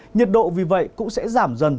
nhiệt độ vì vậy cũng sẽ giảm dần